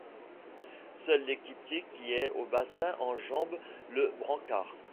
Seul l'équipier qui est au bassin enjambe le brancard.